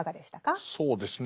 そうですね。